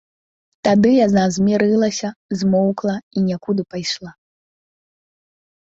Тады яна змірылася, змоўкла і некуды пайшла.